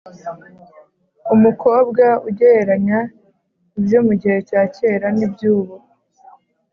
umukobwa ugereranya ibyo mu gihe cya kera n’iby’ubu